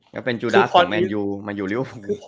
ก็เป็นจุดาสตร์แมนยูมาอยู่ริว